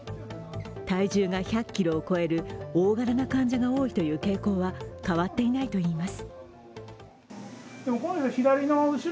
体重が１００ｋｇを超える大柄な患者が多いというのは変わっていないといいます。